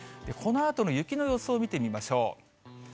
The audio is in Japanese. このあとの雪の予想を見てみましょう。